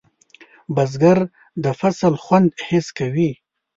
بزګر د فصل خوند حس کوي